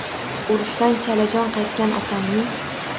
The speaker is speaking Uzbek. Urushdan chalajon qaytgan otamning